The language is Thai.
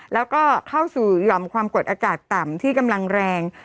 แล้วก็เข้าสู่หย่อมความกดอากาศต่ำที่กำลังแรง